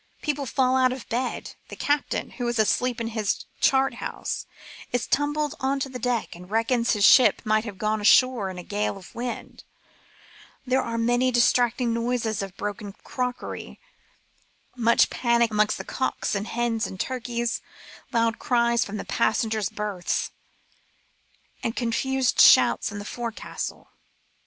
People fall out of bed, the captain, who is asleep in his chart house, is tumbled on to the deck, and reckons his ship to have gone ashore in a gale of wind ; there are many distracting noises of broken crockery, much panic amongst the cocks and hens and turkeys, loud cries from the passengers' berths, and confused shouts in the forecastle.